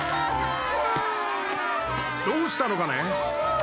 どうしたのかね？